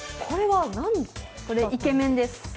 これはイケメンです。